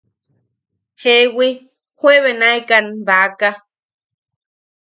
–Jewi, juebenaekan baaka.